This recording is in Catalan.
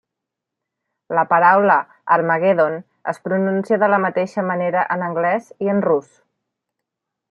La paraula Harmagedon es pronuncia de la mateixa manera en anglès i en rus.